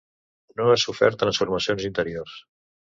No ha sofert transformacions interiors.